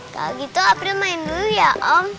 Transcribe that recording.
kalau gitu april main dulu ya om